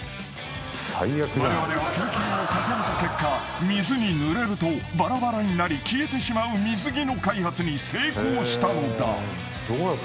［われわれは研究を重ねた結果水にぬれるとばらばらになり消えてしまう水着の開発に成功したのだ］